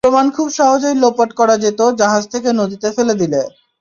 প্রমাণ খুব সহজেই লোপাট করা যেত জাহাজ থেকে নদীতে এটা ফেলে দিয়ে।